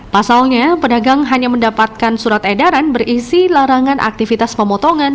pasalnya pedagang hanya mendapatkan surat edaran berisi larangan aktivitas pemotongan